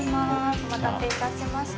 お待たせいたしました。